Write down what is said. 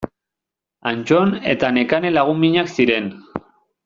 Antton eta Nekane lagun minak ziren.